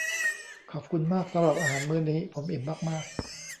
ขอบคุณมากสำหรับอาหารมื้อนี้ ผมอิ่มมาก ๆ